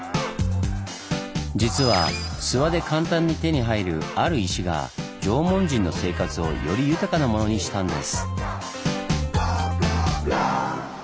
実は諏訪で簡単に手に入るある石が縄文人の生活をより豊かなものにしたんです。